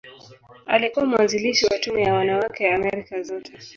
Alikuwa mwanzilishi wa Tume ya Wanawake ya Amerika Zote.